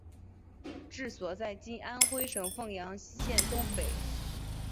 治所在今安徽省凤阳县东北。